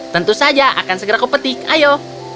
tentu saja akan segera kau petik ayo